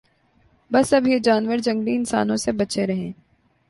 بس اب یہ جانور جنگلی انسانوں سے بچیں رھیں